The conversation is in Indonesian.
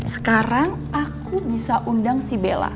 sekarang aku bisa undang si bella